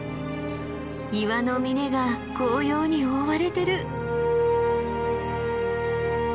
岩の峰が紅葉に覆われてる。